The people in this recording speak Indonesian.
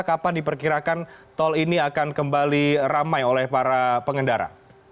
kapan diperkirakan tol ini akan kembali ramai oleh para pengendara